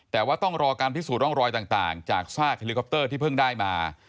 แต่ว่าต้องรอการพิสูจนร่องรอยต่างจากซากเฮลิคอปเตอร์ที่เพิ่งได้มา